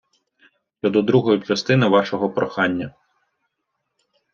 Щодо другої частини вашого прохання.